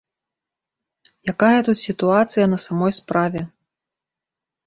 Якая тут сітуацыя на самой справе?